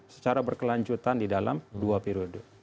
secara berkelanjutan di dalam dua periode